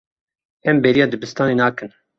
Em bêriya dibistanê nakin.